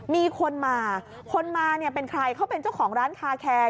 มีคนมาคนมาเนี่ยเป็นใครเขาเป็นเจ้าของร้านคาแคร์